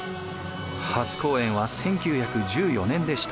初公演は１９１４年でした。